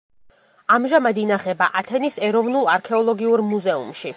ამჟამად ინახება ათენის ეროვნულ არქეოლოგიურ მუზეუმში.